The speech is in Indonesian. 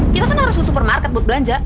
kita kan harus ke supermarket buat belanja